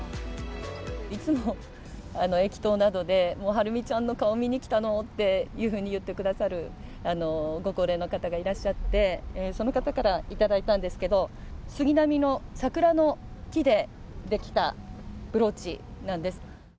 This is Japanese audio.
いつも駅頭などで、晴美ちゃんの顔を見にきたのっていうふうに言ってくださるご高齢の方がいらっしゃって、その方から頂いたんですけれども、杉並の桜の木で出来たブローチなんです。